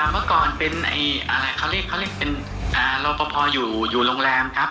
เมื่อก่อนเป็นเขาเรียกเป็นรอปภอยู่โรงแรมครับ